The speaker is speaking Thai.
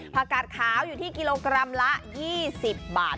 ผักกาดขาวอยู่ที่กิโลกรัมละ๒๐บาท